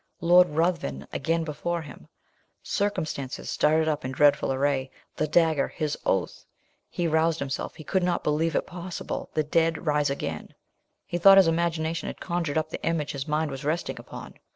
Lord Ruthven again before him circumstances started up in dreadful array the dagger his oath. He roused himself, he could not believe it possible the dead rise again! He thought his imagination had conjured up the image his mind was resting upon.